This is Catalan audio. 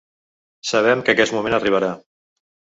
Sabem que aquest moment arribarà.